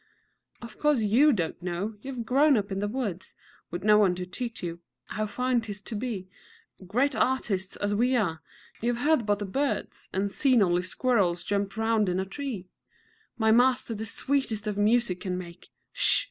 Of course you don't know you've grown up in the woods, With no one to teach you how fine 'tis to be Great artists as we are! You've heard but the birds, And seen only squirrels jump round in a tree. My master the sweetest of music can make (Sh!